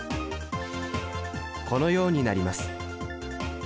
このようになります。